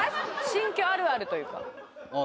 新居あるあるというかあ